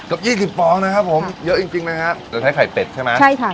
ยี่สิบฟองนะครับผมเยอะจริงจริงนะฮะจะใช้ไข่เป็ดใช่ไหมใช่ค่ะ